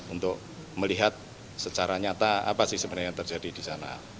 untuk melihat secara nyata apa sih sebenarnya yang terjadi di sana